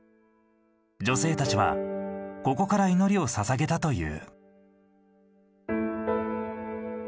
女性たちはここから祈りをささげたという。